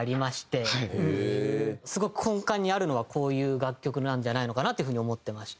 すごく根幹にあるのはこういう楽曲なんじゃないのかなっていう風に思ってまして。